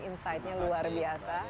insidenya luar biasa